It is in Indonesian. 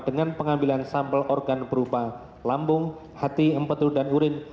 dengan pengambilan sampel organ berupa lambung hati empetul dan urin